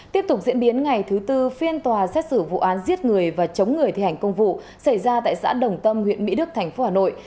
tiếp tục diễn biến ngày thứ tư phiên tòa xét xử vụ án giết người và chống người thi hành công vụ xảy ra tại xã đồng tâm huyện mỹ đức tp hà nội